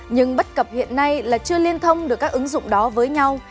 nhưng bất cập hiện nay là chưa liên thông được các ứng dụng đó với nhau